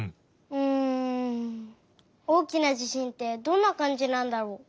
うんおおきな地しんってどんなかんじなんだろう？